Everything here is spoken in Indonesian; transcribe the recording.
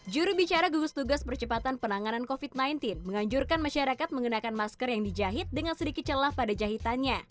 jurubicara gugus tugas percepatan penanganan covid sembilan belas menganjurkan masyarakat mengenakan masker yang dijahit dengan sedikit celah pada jahitannya